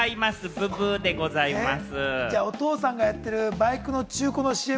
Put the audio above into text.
ブッブーでございます。